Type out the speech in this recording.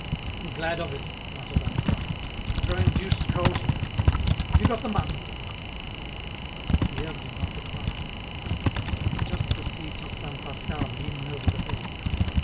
I'm glad of it," muttered Antoine. "I'm growing deuced cold here. Have you got the money?" But Pierre did not reply. He had just perceived his son Pascal leaning over the bed.